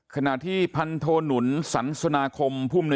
ขณะที่พันทุนุนสังสนาคม